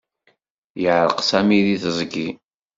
Yeεreq Sami deg teẓgi.